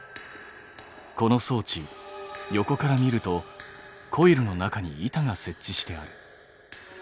この装置横から見るとコイルの中に板が設置してある。